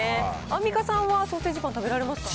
アンミカさんは、ソーセージパン、食べられますか？